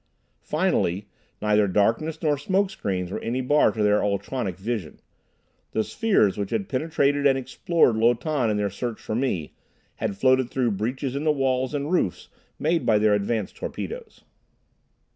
Finally, neither darkness nor smoke screens were any bar to their ultronic vision. The spheres, which had penetrated and explored Lo Tan in their search for me, had floated through breaches in the walls and roofs made by their advance torpedoes.